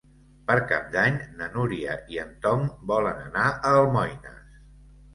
Per Cap d'Any na Núria i en Tom volen anar a Almoines.